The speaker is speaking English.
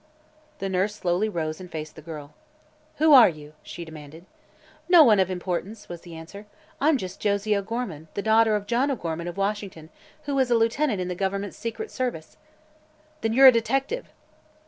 The nurse slowly rose and faced the girl. "Who are you?" she demanded. "No one of importance," was the answer. "I'm just Josie O'Gorman, the daughter of John O'Gorman, of Washington, who is a lieutenant in the government's secret service." "Then you're a detective!"